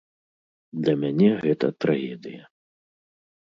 Для мяне гэта трагедыя.